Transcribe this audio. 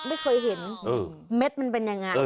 ไม่เคยเห็นเม็ดมันเป็นยังไง